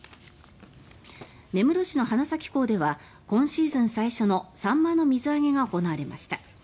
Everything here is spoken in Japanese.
根室市の花咲港では今シーズン最初のサンマの水揚げが行われました。